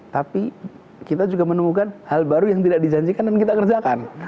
tapi kita juga menemukan hal baru yang tidak dijanjikan dan kita kerjakan